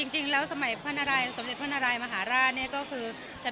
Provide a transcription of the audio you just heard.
จริงแล้วสมัยของพระนารัยสำเร็จพระนารัยมหาราช